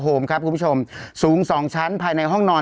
โหลมครับกลุ่มภาษาสูงสองชั้นภายในห้องนอน